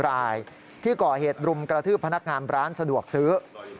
รายที่ก่อเหตุรุมกระทืบพนักงานร้านสะดวกซื้อ